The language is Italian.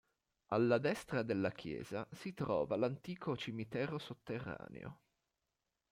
Alla destra della Chiesa si trova l'antico cimitero sotterraneo.